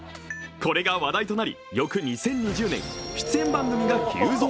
しかし、これが話題となり翌２０２０年、出演番組が急増。